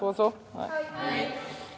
はい。